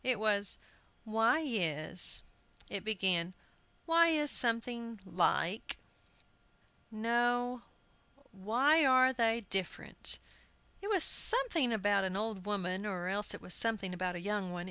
It was, "Why is " It began, "Why is something like no, Why are they different?" It was something about an old woman, or else it was something about a young one.